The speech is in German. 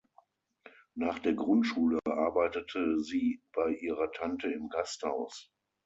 Nach der Grundschule arbeitete sie bei ihrer Tante im Gasthaus.